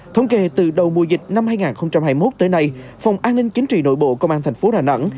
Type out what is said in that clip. thống kê từ đầu mùa dịch năm hai nghìn hai mươi một tới nay phòng an ninh chính trị nội bộ công an thành phố đà nẵng